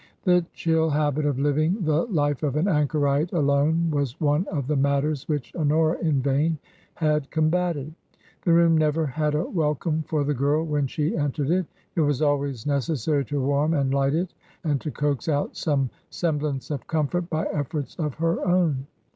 The chill habit of living the life of an anchorite alone was one of the matters which Honora in vain had combated. The room never had a welcome for the girl when she entered it ; it was always necessary to warm and light it and to coax out some semblance of comfort by efforts of her own.